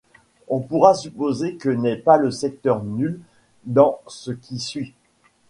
On pourra supposer que n'est pas le vecteur nul dans ce qui suit.